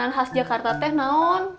makanan khas jakarta teh naun